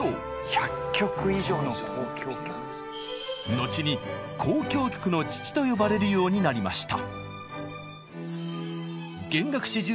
後に「交響曲の父」と呼ばれるようになりました。